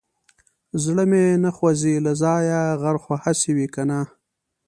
زړه مې نه خوځي له ځايه غر خو هسې وي کنه.